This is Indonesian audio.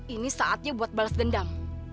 ini saatnya buat balas dendam